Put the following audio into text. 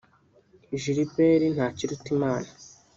Gilbert Ntakirutimana